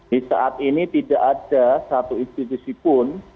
di saat ini tidak ada satu institusi pun